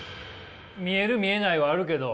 見える見えないはあるけど。